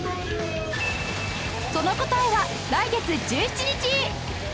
その答えは来月１７日